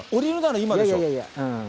今でしょ。